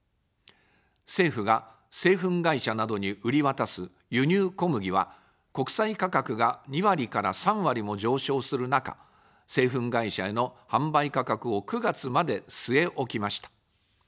政府が製粉会社などに売り渡す輸入小麦は、国際価格が２割から３割も上昇する中、製粉会社への販売価格を９月まで据え置きました。